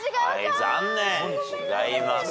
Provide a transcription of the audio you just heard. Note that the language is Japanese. はい残念違います。